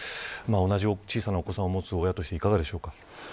同じ小さなお子さんを持つ親として、いかがですか。